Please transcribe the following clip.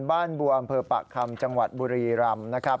บ้านบัวอำเภอปากคำจังหวัดบุรีรำนะครับ